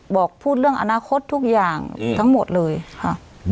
บอกพูดเรื่องอนาคตทุกอย่างทั้งหมดเลยค่ะ